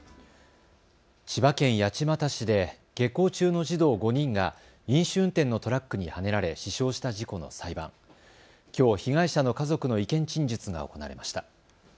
千葉県八街市で下校中の児童５人が飲酒運転のトラックにはねられ死傷した事故の裁判、きょう被害者の家族の意見陳述が行われました。